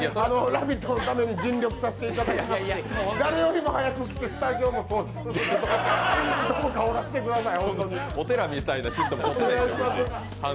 「ラヴィット！」のために尽力させていただきました誰よりも早く来てスタジオも掃除しますので、どうかおらしてください、お願いします。